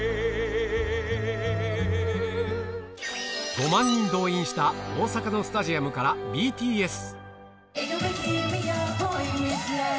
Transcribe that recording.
５万人動員した大阪のスタジアムからＢＴＳ。